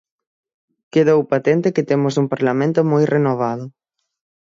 Quedou patente que temos un parlamento moi renovado.